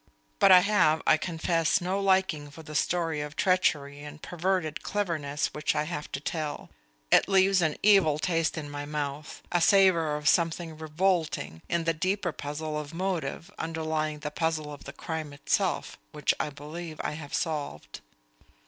But I have, I confess, no liking for the story of treachery and perverted cleverness which I have to tell. It leaves an evil taste in the mouth, a savor of something revolting in the deeper puzzle of motive underlying the puzzle of the crime itself, which I believe I have solved.